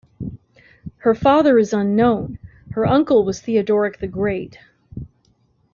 Her father is unknown, her uncle was Theodoric the Great.